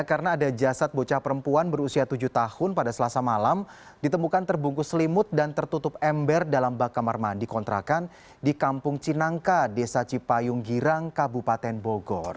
karena ada jasad bocah perempuan berusia tujuh tahun pada selasa malam ditemukan terbungkus selimut dan tertutup ember dalam bak kamar mandi kontrakan di kampung cinangka desa cipayung girang kabupaten bogor